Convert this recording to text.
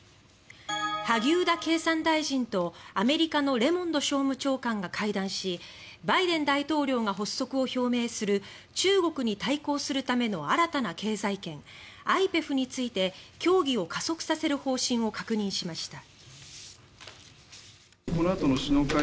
萩生田経産大臣とアメリカのレモンド商務長官が会談しバイデン大統領が発足を表明する中国に対抗するための新たな経済圏、ＩＰＥＦについて協議を加速させる方針を確認しました。